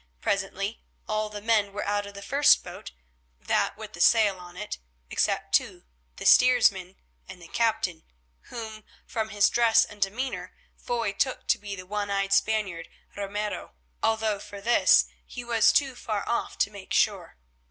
Presently all the men were out of the first boat—that with the sail set on it—except two, the steersman and the captain, whom, from his dress and demeanour, Foy took to be the one eyed Spaniard, Ramiro, although of this he was too far off to make sure.